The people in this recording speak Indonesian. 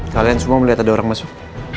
kalian semua melihat ada orang masuk